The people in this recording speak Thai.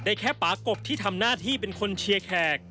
แค่ปากบที่ทำหน้าที่เป็นคนเชียร์แขก